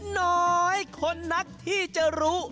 น้อยคนนักที่จะรู้